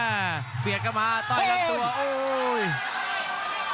เอ่อเปลี่ยนกลับมาต้อยยังตัวโอ้โห